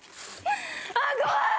ああ怖い！